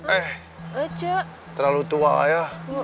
eh terlalu tua ya